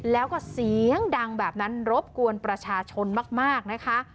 แล้วก็เสียงดังแบบนั้นรบกวนประชาชนมากนะคะ